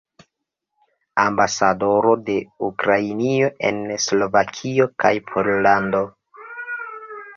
Ambasadoro de Ukrainio en Slovakio kaj Pollando.